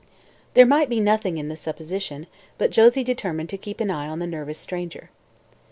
There might be nothing in this supposition but Josie determined to keep an eye on the nervous stranger.